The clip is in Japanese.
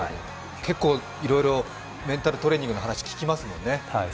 いろいろメンタルトレーニングの話、聞きますもんね。